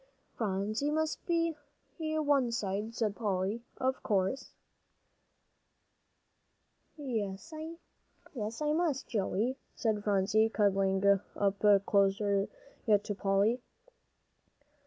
"Phronsie must be one side," said Polly, "of course." "Yes, I must, Joey," said Phronsie, cuddling up closer yet to Polly.